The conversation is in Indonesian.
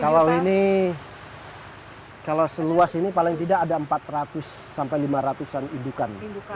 kalau ini kalau seluas ini paling tidak ada empat ratus sampai lima ratus an indukan